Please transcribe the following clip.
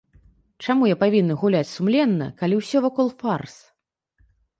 Чаму я павінна гуляць сумленна, калі ўсё вакол фарс?